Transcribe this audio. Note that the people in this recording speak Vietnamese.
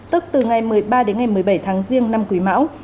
tức từ ngày một mươi ba đến ngày một mươi bảy tháng riêng năm quý mão